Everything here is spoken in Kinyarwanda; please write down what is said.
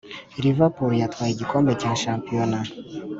liverpool yatwaye igikombe cya shampiyona